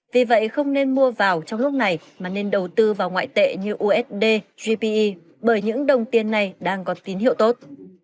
vì vậy không nên mua vào trong lúc này mà nên đầu tư vào ngoại tệ như usd gpe bởi những đồng tiền này đang có tín hiệu tốt